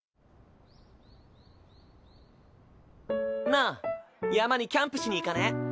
なあ山にキャンプしに行かね？